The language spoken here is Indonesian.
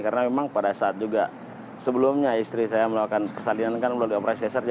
karena memang pada saat juga sebelumnya istri saya melakukan persalinan kan melalui operasi serja